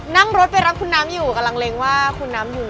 นั่งรถไปรับคุณน้ำอยู่กำลังเล็งว่าคุณน้ำอยู่